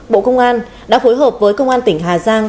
bộ công an đã phối hợp với công an tỉnh hà giang